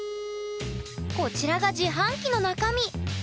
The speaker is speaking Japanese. こちらが自販機の中身。